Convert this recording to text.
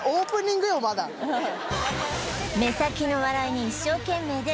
目先の笑いに一生懸命で